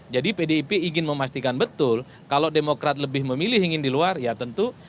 jadi pdip ingin memastikan betul kalau demokrat lebih memilih ingin di luar ya tentu